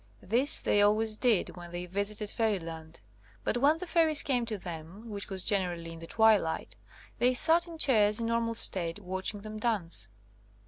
This they always did when they visited Fairyland, but when the fairies came to them, which was generally in the twilight, they sat in chairs in normal state watching them dance.